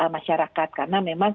masyarakat karena memang